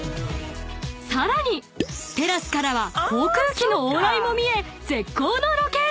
［さらにテラスからは航空機の往来も見え］